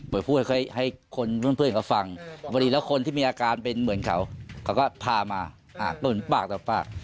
บ่อยพูดให้ให้คนเพื่อนเพื่อนก็ฟังวันนี้แล้วคนที่มีอาการเป็นเหมือนเขาเขาก็พามาอ่ะกลุ่มปากต่อปาก